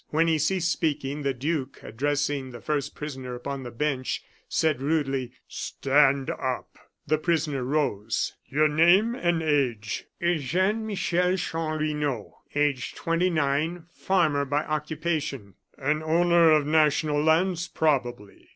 When he ceased speaking, the duke, addressing the first prisoner upon the bench, said, rudely: "Stand up." The prisoner rose. "Your name and age?" "Eugene Michel Chanlouineau, aged twenty nine, farmer by occupation." "An owner of national lands, probably?"